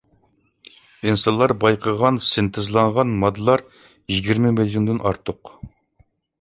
ئىنسانلار بايقىغان سىنتېزلانغان ماددىلار يىگىرمە مىليوندىن ئارتۇق.